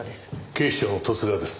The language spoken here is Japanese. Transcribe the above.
警視庁の十津川です。